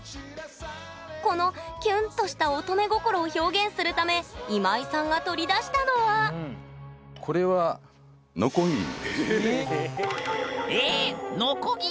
この「キュン」とした乙女心を表現するため今井さんが取り出したのはこれはええ⁉ノコギリ？